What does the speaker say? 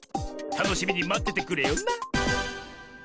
たのしみにまっててくれよな！